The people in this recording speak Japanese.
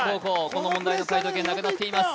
この問題の解答権なくなってます